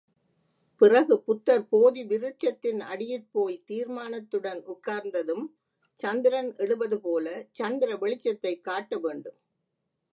பிறகு புத்தர் போதி விருட்சத்தின் அடியிற் போய் தீர்மானத்துடன் உட்கார்ந்ததும், சந்திரன் எழுவதுபோல சந்திர வெளிச்சத்தைக் காட்ட வேண்டும்.